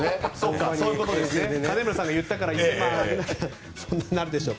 金村さんが言ったからそうなるでしょう。